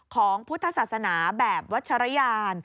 ของพุทธศาสนาแบบวัชรยาน